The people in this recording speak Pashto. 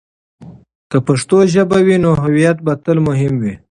که پښتو ژبه وي، نو هویت به تل مهم وي.